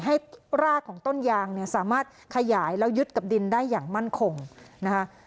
รากของต้นยางเนี่ยสามารถขยายแล้วยึดกับดินได้อย่างมั่นคงนะคะ